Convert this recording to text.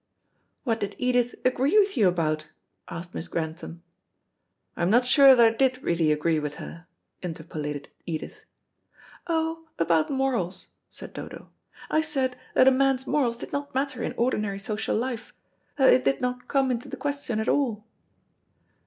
"What did Edith agree with you about?" asked Miss Grantham. "I'm not sure that I did really agree with her," interpolated Edith. "Oh, about morals," said Dodo. "I said that a man's morals did not matter in ordinary social life. That they did not come into the question at all."